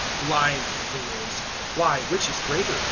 023:017 "Blind fools! Why, which is greater?